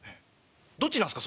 どっちなんすか？